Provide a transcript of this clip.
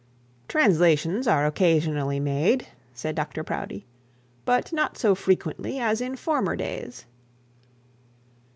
'Translations are occasionally made,' said Dr Proudie; 'but not so frequently as in former days.